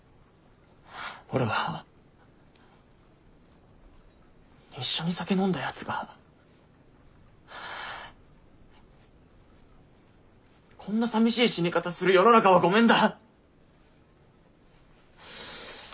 俺は一緒に酒飲んだやつがこんなさみしい死に方する世の中はごめんだ。